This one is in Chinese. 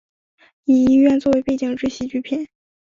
以医院作为背景之喜剧片。